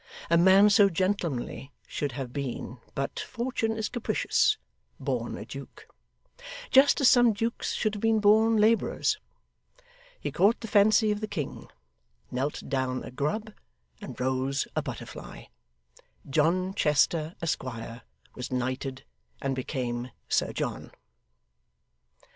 A man so gentlemanly should have been but Fortune is capricious born a Duke: just as some dukes should have been born labourers. He caught the fancy of the king, knelt down a grub, and rose a butterfly. John Chester, Esquire, was knighted and became Sir John.